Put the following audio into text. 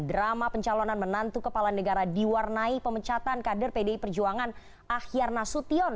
drama pencalonan menantu kepala negara diwarnai pemecatan kader pdi perjuangan ahyar nasution